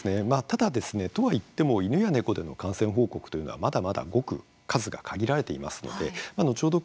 ただですねとはいっても犬や猫での感染報告というのは、まだまだごく数が限られていますので後ほど